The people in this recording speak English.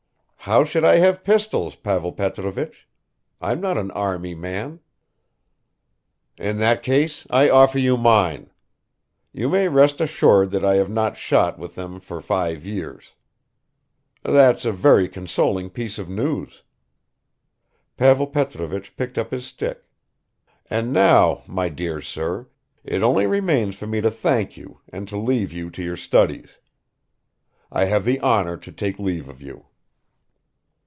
"How should I have pistols, Pavel Petrovich? I'm not an army man." "In that case, I offer you mine. You may rest assured that I have not shot with them for five years." "That's a very consoling piece of news. " Pavel Petrovich picked up his stick ... "And now, my dear sir, it only remains for me to thank you and to leave you to your studies. I have the honor to take leave of you."